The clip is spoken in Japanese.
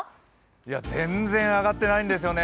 いや、全然上がってないんですよね。